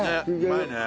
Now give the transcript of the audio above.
うまいね。